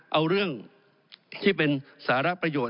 เอาเรื่องที่เป็นสาระประโยชน